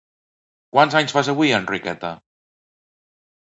Quants anys fas avui, Enriqueta?